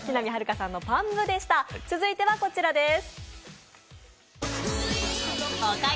続いてはこちらです。